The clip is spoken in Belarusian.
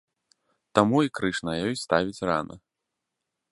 Таму і крыж на ёй ставіць рана.